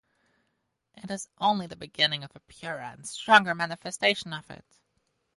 It is only the beginning of a purer and stronger manifestation of it.